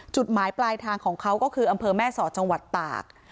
จุดหมายปลายทางของเขาก็คืออำเภอแม่สอดจังหวัดตาก